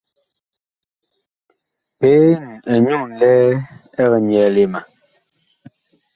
Peen ɛ nyu ŋlɛɛ eg nyɛɛle ma.